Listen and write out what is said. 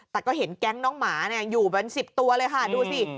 แต่ก็เห็นแก๊งน้องหมาอยู่เป็น๑๐ตัวเลยค่ะดูสิ